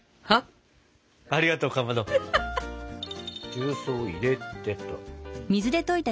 重曹入れてと。